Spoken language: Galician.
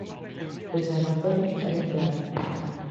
Pois a razón é ben clara.